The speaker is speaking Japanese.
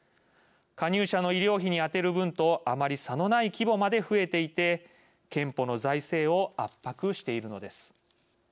加入者の医療費に充てる分とあまり差のない規模まで増えていて健保の財政を圧迫しているのです。